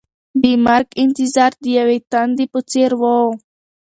د مرګ انتظار د یوې تندې په څېر و.